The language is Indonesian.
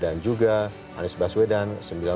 dan juga anies baswedan sembilan belas tujuh